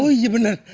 oh iya bener